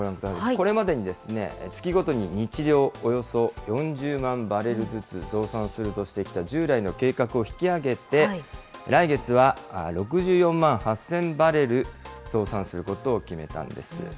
これまでに月ごとに日量およそ４０万バレルずつ増産するとしてきた従来の計画を引き上げて、来月は６４万８０００バレル増産することを決めたんです。